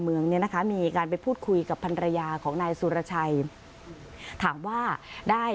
เมืองเนี่ยนะคะมีการไปพูดคุยกับพันรยาของนายสุรชัยถามว่าได้